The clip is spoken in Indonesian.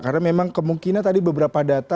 karena memang kemungkinan tadi beberapa data